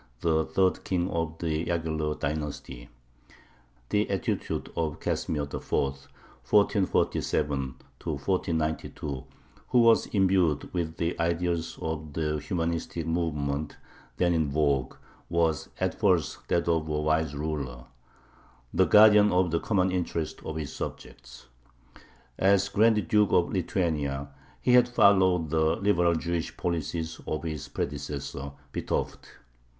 the third king of the Yaghello dynasty. The attitude of Casimir IV. (1447 1492), who was imbued with the ideas of the humanistic movement then in vogue, was at first that of a wise ruler, the guardian of the common interests of his subjects. As Grand Duke of Lithuania he had followed the liberal Jewish policies of his predecessor Vitovt.